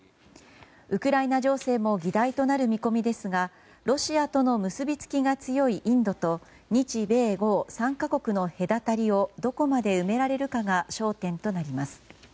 ウクライナ情勢も議題となる見込みですがロシアとの結びつきが強いインドと日米豪３か国の隔たりをどこまで埋められるかが焦点となります。